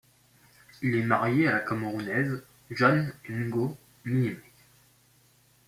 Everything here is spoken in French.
Il est marié à la Camerounaise Jeanne Ngo Minyemeck.